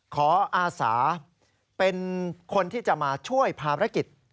อาสาเป็นคนที่จะมาช่วยภารกิจ